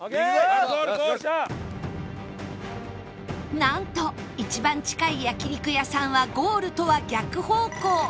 なんと一番近い焼肉屋さんはゴールとは逆方向